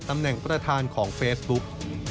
ตำแหน่งประธานของเฟซบุ๊ก